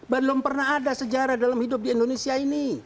belum pernah ada sejarah dalam hidup di indonesia ini